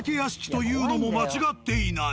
というのも間違っていない。